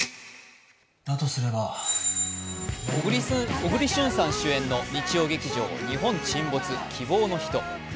小栗旬さん主演の日曜劇場「日本沈没−希望のひと−」。